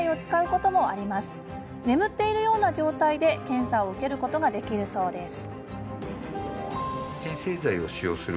こちら眠っているような状態で検査を受けることができるそうです。